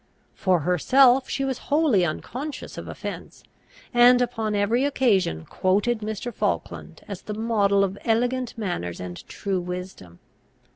For herself, she was wholly unconscious of offence, and upon every occasion quoted Mr. Falkland as the model of elegant manners and true wisdom.